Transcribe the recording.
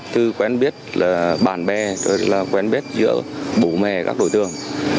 thư quen biết là bạn bè rồi là quen biết giữa bố mẹ các đối tượng